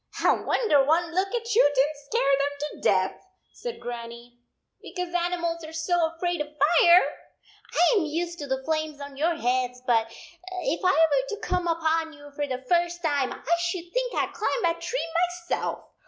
" I wonder one look at you did n t scare them to death," said Grannie, "because animals are so afraid of fire ! I am used to the flames on your heads, but if I were to come upon you for the first time I think I d climb a tree myself!